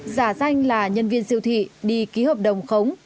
giả danh là nhân viên siêu thị đi ký hợp đồng khống